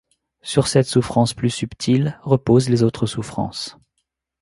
Sur cette souffrance plus subtile reposent les autres souffrances.